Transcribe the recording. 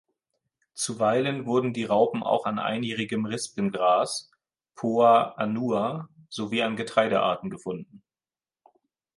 Zuweilen wurden die Raupen auch an Einjährigem Rispengras ("Poa annua") sowie an Getreidearten gefunden.